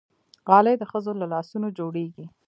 غالۍ د ښځو له لاسونو جوړېږي.